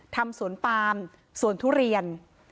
ทำสวนปามสวนทุเรียน